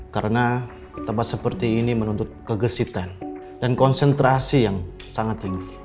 karena tempat seperti ini menuntut kegesitan dan konsentrasi yang sangat tinggi